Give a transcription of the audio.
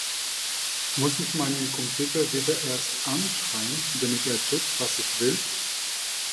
Muss ich meinen Computer wieder erst anschreien, damit er tut, was ich will?